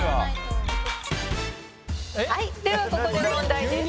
「はいではここで問題です」